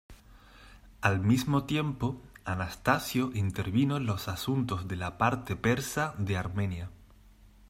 Al mismo tiempo, Anastasio intervino en los asuntos de la parte persa de Armenia.